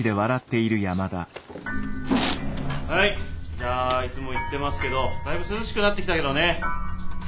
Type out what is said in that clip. じゃあいつも言ってますけどだいぶ涼しくなってきたけどね。